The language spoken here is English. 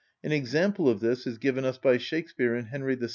An example of this is given us by Shakspeare in "Henry VI.